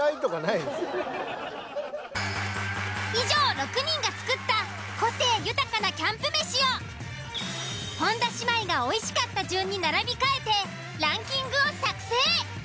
以上６人が作った個性豊かなキャンプ飯を本田姉妹がおいしかった順に並び替えてランキングを作成。